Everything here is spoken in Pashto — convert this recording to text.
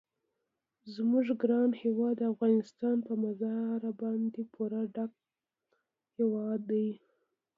زموږ ګران هیواد افغانستان په مزارشریف باندې پوره ډک هیواد دی.